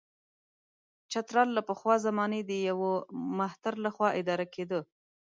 چترال له پخوا زمانې د یوه مهتر له خوا اداره کېده.